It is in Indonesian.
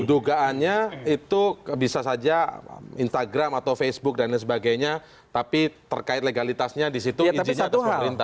dugaannya itu bisa saja instagram atau facebook dan sebagainya tapi terkait legalitasnya disitu izinnya atas pemerintah